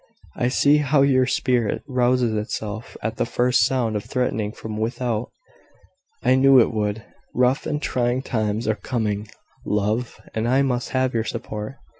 "I see how your spirit rouses itself at the first sound of threatening from without. I knew it would. Rough and trying times are coming, love, and I must have your support.